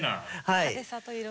はい。